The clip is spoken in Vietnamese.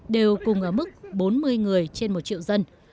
đều cùng ở mức bốn mươi người trên một triệu dân